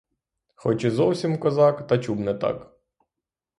Хоч і зовсім козак, та чуб не так.